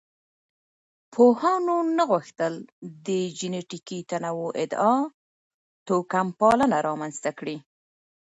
پوهانو نه غوښتل د جینټیکي تنوع ادعا توکمپالنه رامنځ ته کړي.